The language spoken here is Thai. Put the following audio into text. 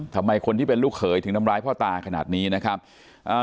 ทำไมคนที่เป็นลูกเขยถึงทำร้ายพ่อตาขนาดนี้นะครับอ่า